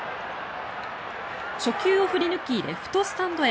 初球を振り抜きレフトスタンドへ。